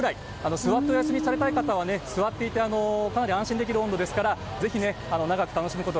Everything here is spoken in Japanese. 座ってお休みされたい方は座っていてかなり安心できる温度ですから長く楽しめます。